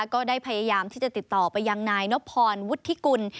ก็ได้พยายามที่จะติดต่อไปยังนายนพรวุฒิกุล